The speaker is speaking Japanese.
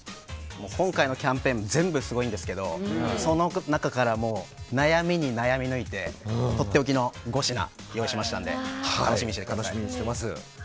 今回のキャンペーン全部すごいんですけどその中から、悩みに悩みぬいてとっておきの５品を用意したので楽しみにしてください。